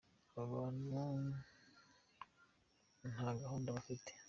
Aba antu ntagahunda bafite.